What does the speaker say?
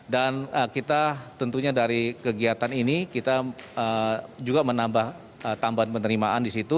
dan kita tentunya dari kegiatan ini kita juga menambah tambahan penerimaan di situ